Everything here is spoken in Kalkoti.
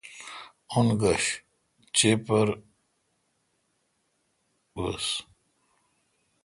اون گش چیپر گوس۔